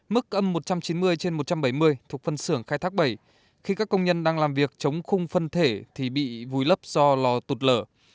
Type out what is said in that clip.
mức âm một trăm chín mươi trên một trăm bảy mươi thuộc phân xưởng khai thác bảy khi các công nhân đang làm việc chống khung phân thể thì bị vùi lấp do lò tụt lở